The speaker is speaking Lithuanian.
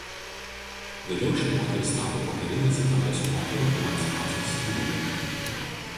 Vėliau ši moteris tapo pokarinės Italijos moterų emancipacijos simboliu.